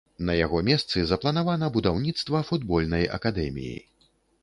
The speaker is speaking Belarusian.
На яго месцы запланавана будаўніцтва футбольнай акадэміі.